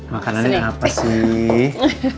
makanannya apa sih